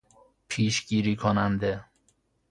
پیشگیری کننده